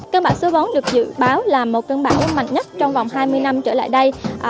cân bản số bốn được dự báo là một cân bản mạnh nhất trong vòng hai mươi năm trở lại đây